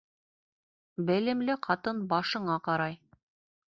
Белемле ҡатын башыңа ҡарай